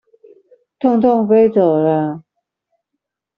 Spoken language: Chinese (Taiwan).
痛痛飛走了